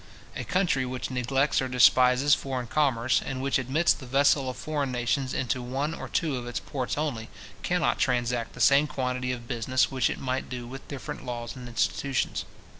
A country which neglects or despises foreign commerce, and which admits the vessel of foreign nations into one or two of its ports only, cannot transact the same quantity of business which it might do with different laws and institutions.